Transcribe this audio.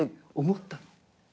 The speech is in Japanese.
思ったの。